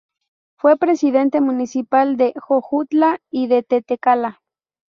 Fue Presidente Municipal de Jojutla y de Tetecala.